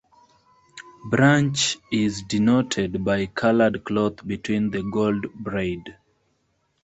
Branch is denoted by coloured cloth between the gold braid.